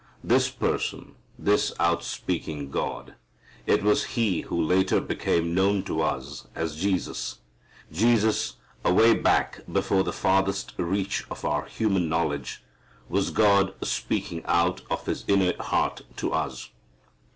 This person, this outspeaking God, it was He who later became known to us as Jesus. Jesus, away back before the farthest reach of our human knowledge, was God speaking out of His inner heart to us.